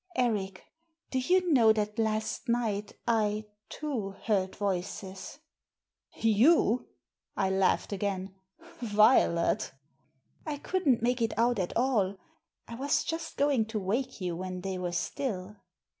" Eric, do you know that last night I, too, heard voices ?"" You !" I laughed again. Violet !"" I couldn't make it out at all. I was just going to wake you when they were still."